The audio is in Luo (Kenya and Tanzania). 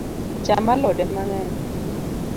Cham alode mang’eny